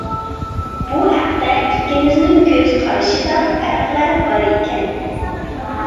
بۇ ھەقتە ئىككىمىزنىڭ كۆز قارىشىدا پەرقلەر بار ئىكەن.